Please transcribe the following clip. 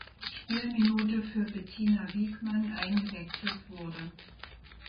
Spielminute für Bettina Wiegmann eingewechselt wurde.